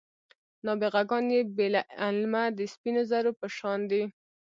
نابغه ګان بې له علمه د سپینو زرو په شان دي.